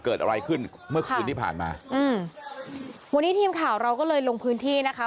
เกิดอะไรขึ้นเมื่อคืนที่ผ่านมาอืมวันนี้ทีมข่าวเราก็เลยลงพื้นที่นะคะ